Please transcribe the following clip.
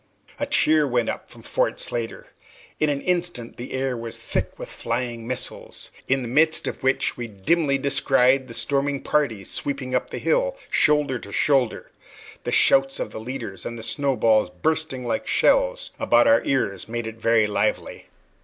A cheer went up from Fort Slatter. In an instant the air was thick with flying missiles, in the midst of which we dimly descried the storming parties sweeping up the hill, shoulder to shoulder. The shouts of the leaders, and the snowballs bursting like shells about our ears, made it very lively.